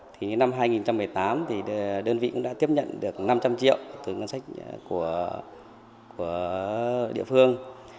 thì những năm hai nghìn một mươi tám thì đơn vị cũng đã tiếp nhận được năm trăm linh triệu từ ngân sách của địa phương